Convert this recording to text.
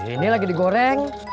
ini lagi digoreng